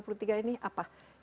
apa yang bisa kita dapatkan